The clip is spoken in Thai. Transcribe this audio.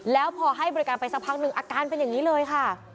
แล้วพอให้บริการไปสักพักหนึ่งอาการเป็นอย่างนี้เลยค่ะ